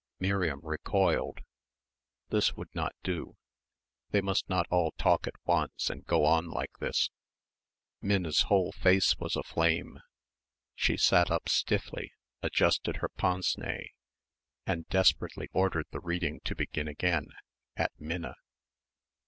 Miriam recoiled. This would not do they must not all talk at once and go on like this. Minna's whole face was aflame. She sat up stiffly adjusted her pince nez and desperately ordered the reading to begin again at Minna.